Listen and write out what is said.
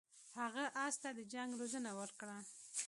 هغه اس ته د جنګ روزنه ورکړه.